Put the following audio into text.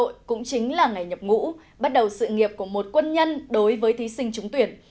học viên quân đội cũng chính là ngày nhập ngũ bắt đầu sự nghiệp của một quân nhân đối với thí sinh trúng tuyển